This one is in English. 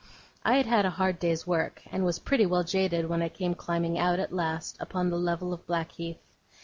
I had had a hard day's work, and was pretty well jaded when I came climbing out, at last, upon the level of Blackheath.